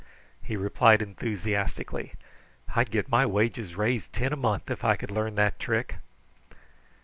He replied enthusiastically. "I'd get my wages raised ten a month if I could learn that trick."